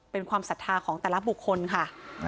เป็นความศรัทธาของแต่ละบุคคลค่ะ